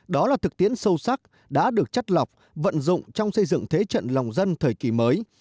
đó là thực tiễn sâu sắc đã được chất lọc vận dụng trong xây dựng thế trận lòng dân thời kỳ mới